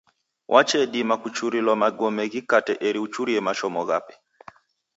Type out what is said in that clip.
Wachedima kuchangilwa magome ghikate eri uchurie mashomo ghape.